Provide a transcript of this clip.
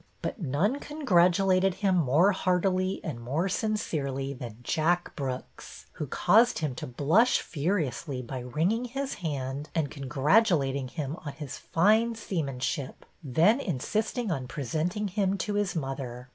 But none congratulated him more heartily and more sin cerely than Jack Brooks, who caused him to blush furiously by wringing his hand and con gratulating him on his fine seamanship, then in sisting on presenting him to his mother.